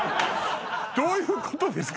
どういうことですか？